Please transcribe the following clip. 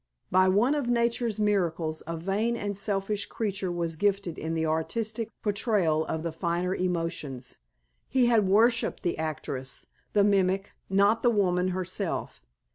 By one of nature's miracles a vain and selfish creature was gifted in the artistic portrayal of the finer emotions. He had worshiped the actress, the mimic, not the woman herself.